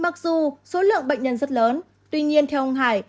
mặc dù số lượng bệnh nhân rất lớn tuy nhiên theo ông hải